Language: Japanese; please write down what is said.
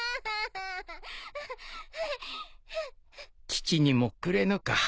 父にもくれぬか？